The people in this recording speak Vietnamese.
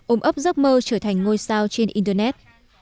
ông ấp giấc mơ trở thành ngôi sao trên internet